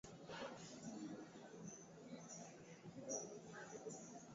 Alisema vitu vingi vitaendele na ataviacha viendelee kuishi ndani ya kichwa chake